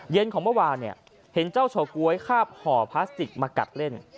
ของเมื่อวานเห็นเจ้าเฉาก๊วยคาบห่อพลาสติกมากัดเล่น